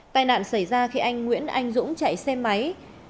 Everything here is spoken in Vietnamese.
tai nạn xảy ra khi anh nguyễn anh dũng chạy xe máy